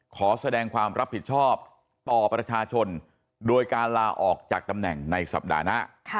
ขอแสดงความรับผิดชอบต่อประชาชนโดยการลาออกจากตำแหน่งในสัปดาห์หน้า